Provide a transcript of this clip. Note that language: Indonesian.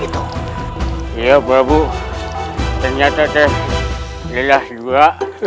itu ya prabu ternyata teh lelah juga